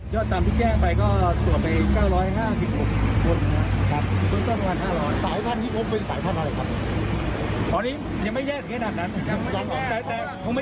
เราตัวค่ะทองแก้าร้อยหรอกหล่อตัวเข้าเจอแล้วห้าร้อยกว่า